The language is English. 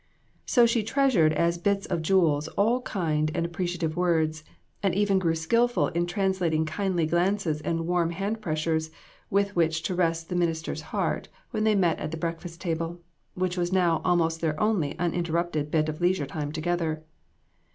So she treasured as bits of jewels all kind and appreciative words, and even grew skillful in translating kindly glances and warm hand pressures with which to rest the minister's heart when they met at the breakfast table, which was now almost their only uninterrupted bit of leisure time together.